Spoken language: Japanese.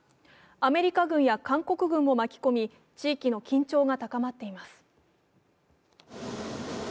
アメリカ軍や韓国軍も巻き込み、地域の緊張が高まっています。